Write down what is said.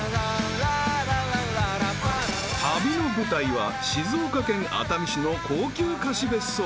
［旅の舞台は静岡県熱海市の高級貸別荘］